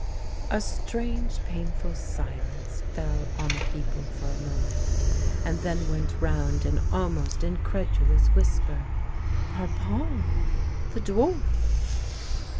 A strange, painful silence fell on the people for a moment, and then went round an almost incredulous whisper :" Parpon, the dwarf